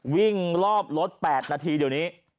วิ่งรอบรถ๘นาทีเดี๋ยวนี้